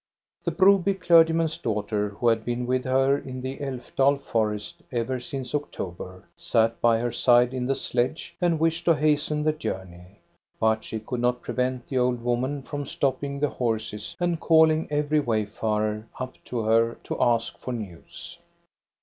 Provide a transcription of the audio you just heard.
The Broby clergyman's daughter, who had been with her in the Alfdal forests ever since October, sat by her side in the sledge and wished to hasten the journey ; but she could not prevent the old woman from stopping the horses and calling every wayfarer up to her to ask for news.